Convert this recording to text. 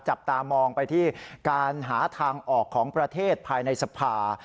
จับตามองไปที่การหาทางออกของประเทศภายในสภา